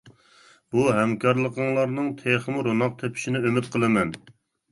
بۇ ھەمكارلىقىڭلارنىڭ تېخىمۇ روناق تېپىشىنى ئۈمىد قىلىمەن.